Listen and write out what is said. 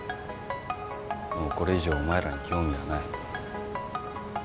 もうこれ以上お前らに興味はない。